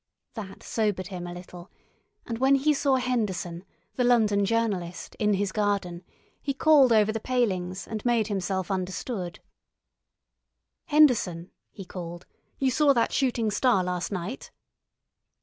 That sobered him a little; and when he saw Henderson, the London journalist, in his garden, he called over the palings and made himself understood. "Henderson," he called, "you saw that shooting star last night?"